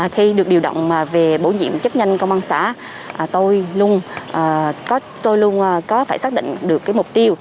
khi được điều động về bổ nhiệm chất nhanh công an xã tôi luôn có phải xác định được mục tiêu